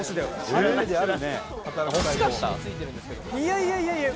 いやいやいやいや！